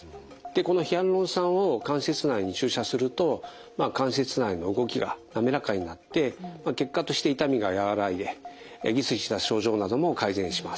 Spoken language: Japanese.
このヒアルロン酸を関節内に注射すると関節内の動きが滑らかになって結果として痛みが和らいでギスギスした症状なども改善します。